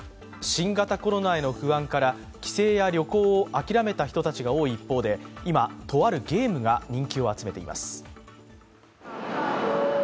新型コロナへの不安から帰省や旅行を諦めた人たちが多い一方で、今、とあるゲームが人気を集めています。